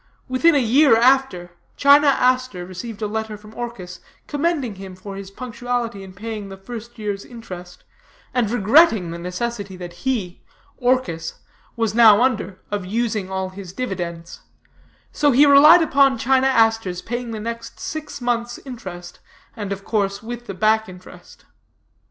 Within a year after, China Aster received a letter from Orchis, commending him for his punctuality in paying the first year's interest, and regretting the necessity that he (Orchis) was now under of using all his dividends; so he relied upon China Aster's paying the next six months' interest, and of course with the back interest.